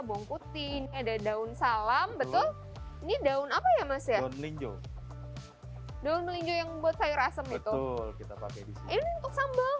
bong kutin ada daun salam betul ini daun apa ya mas ya daun linjo yang buat sayur asam itu